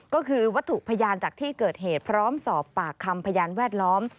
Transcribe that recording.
ก็คือวัตถุพยานจากที่เกิดเหตุพร้อมสอบปากคำพยานแวดล้อม